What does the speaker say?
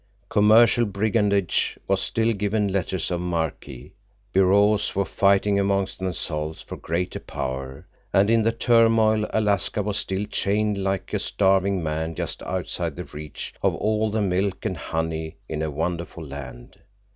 Commercial brigandage was still given letters of marque. Bureaus were fighting among themselves for greater power, and in the turmoil Alaska was still chained like a starving man just outside the reach of all the milk and honey in a wonderful land.